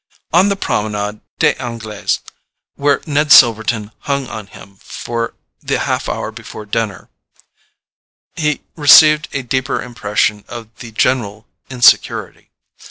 On the Promenade des Anglais, where Ned Silverton hung on him for the half hour before dinner, he received a deeper impression of the general insecurity.